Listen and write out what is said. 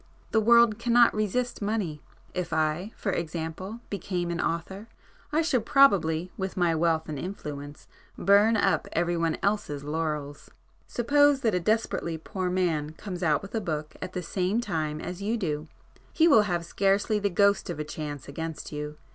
The world cannot resist money. If I, for example, became an author, I should probably with my wealth and influence, burn up every one else's laurels. Suppose that a desperately poor man comes out with a book at the same time as you do, he will have scarcely the ghost of a chance against you.